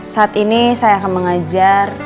saat ini saya akan mengajar